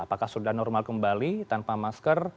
apakah sudah normal kembali tanpa masker